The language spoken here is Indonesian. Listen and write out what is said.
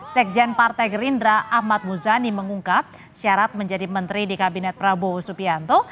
sekjen partai gerindra ahmad muzani mengungkap syarat menjadi menteri di kabinet prabowo subianto